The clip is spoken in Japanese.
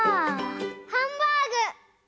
ハンバーグ！